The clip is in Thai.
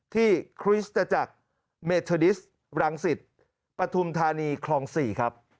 ที่คริสตจักรเมทอดิสต์รังสิทธิ์ประทุมธานีครอง๔ครับ